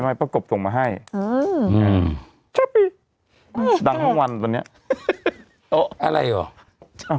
ไม่ปะกบส่งมาให้ชอบปิ๊งดังทั้งวันตอนเนี้ยอะไรหรอ